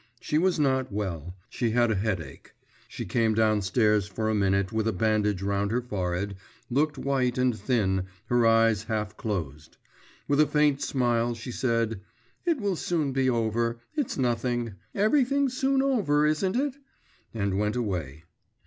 She was not well; she had a headache. She came downstairs for a minute, with a bandage round her forehead, looking white and thin, her eyes half closed. With a faint smile she said, 'It will soon be over, it's nothing; everything's soon over, isn't it?' and went away.